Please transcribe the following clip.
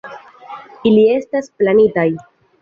Ili estas planitaj.